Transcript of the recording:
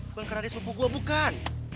bukan karena dia sepupu gue bukan